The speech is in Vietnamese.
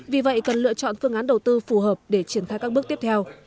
vì vậy cần lựa chọn phương án đầu tư phù hợp để triển thai các bước tiếp theo